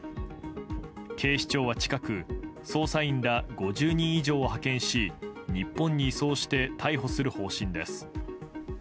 警視庁は、近く捜査員ら５０人以上を派遣し日本に移送して逮捕する方針です。